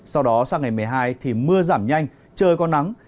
sau đó sang ngày một mươi hai thì mưa giảm nhanh trời có nắng